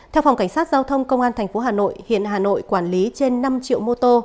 theo phòng cảnh sát giao thông công an tp hà nội hiện hà nội quản lý trên năm triệu mô tô